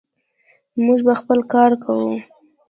موږ به خپل کار کوو.